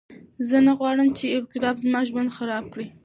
زه نه غواړم چې اضطراب زما ژوند خراب کړي.